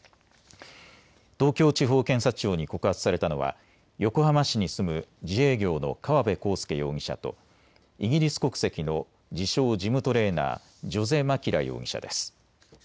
東京地方検察庁に告発されたのは横浜市に住む自営業の川邊康介容疑者とイギリス国籍の自称・ジムトレーナー、ジョゼ・マキラ容疑者です。